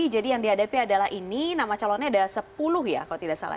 jadi yang dihadapi adalah ini nama calonnya ada sepuluh ya kalau tidak salah